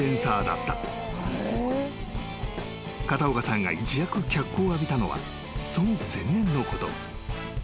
［片岡さんが一躍脚光を浴びたのはその前年のこと］